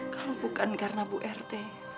kalau bukan karena bu rt